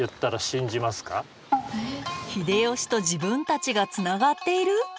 秀吉と自分たちがつながっている？